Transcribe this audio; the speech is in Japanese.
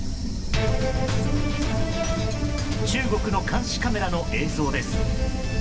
中国の監視カメラの映像です。